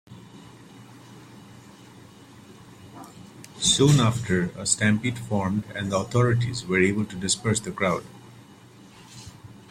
Soon after, a stampede formed and the authorities were able to disperse the crowd.